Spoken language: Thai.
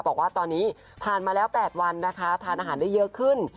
บอกว่าตอนนี้ผ่านมาแล้ว๘วันนะคะทานอาหารได้เยอะขึ้น